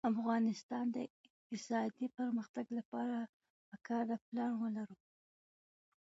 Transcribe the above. د افغانستان د اقتصادي پرمختګ لپاره پکار ده چې پلان ولرو.